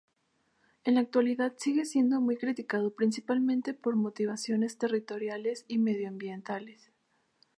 En la actualidad sigue siendo muy criticado principalmente por motivaciones territoriales y medioambientales.